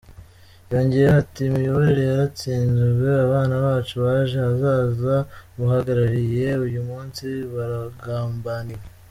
Yongeyeho ati “Imiyoborere yaratsinzwe, abana bacu b’ejo hazaza muhagarariye uyu munsi baragambaniwe.